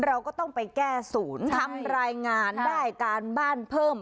เราก็ต้องไปแก้ศูนย์ทำรายงานได้การบ้านเพิ่ม